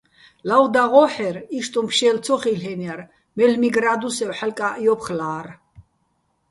ლავ დაღო́ჰ̦ერ, იშტუჼ ფშელ ცო ხილ'ეჼჲარ, მელ'მი გრა́დუსევ ჰ̦ალკა́ჸ ჲოფხლა́რ.